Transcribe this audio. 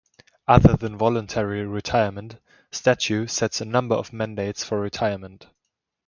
Other than voluntary retirement, statute sets a number of mandates for retirement.